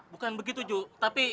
bukan begitu ju tapi